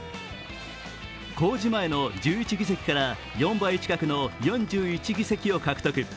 公示前の１１議席から４倍近くの４１議席を獲得。